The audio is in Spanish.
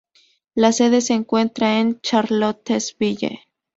La sede se encuentra en Charlottesville.